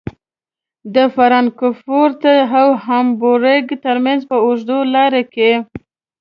د فرانکفورت او هامبورګ ترمنځ په اوږده لاره کې.